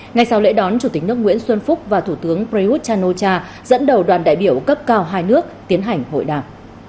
ngay sau lễ đón chủ tịch nước nguyễn xuân phúc và thủ tướng prayuth chan o cha dẫn đầu đoàn đại biểu cấp cao hai nước tiến hành hội đàm